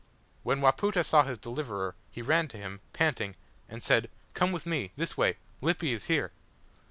When Wapoota saw his deliverer, he ran to him, panting, and said "Come with me this way Lippy is here!"